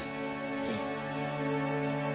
ええ。